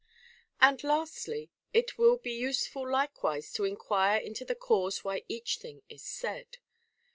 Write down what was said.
And lastly, it will be useful likewise to enquire into the cause why each thing is said.